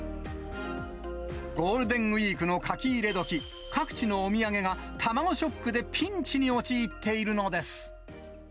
ゴールデンウィークの書き入れ時、各地のお土産が、卵ショックでピンチに陥っているのです。